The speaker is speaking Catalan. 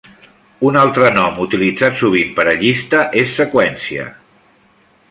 Un altre nom utilitzat sovint per a llista és seqüència.